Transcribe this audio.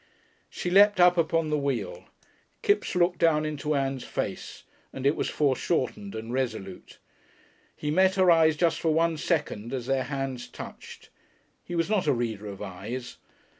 She leapt up upon the wheel. Kipps looked down into Ann's face, and it was foreshortened and resolute. He met her eyes just for one second as their hands touched. He was not a reader of eyes.